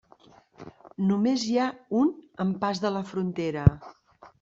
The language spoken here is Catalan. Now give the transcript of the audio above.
Només hi ha un en pas de la frontera.